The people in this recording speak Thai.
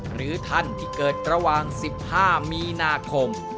หรือท่านที่เกิดระหว่าง๑๕มีนาคม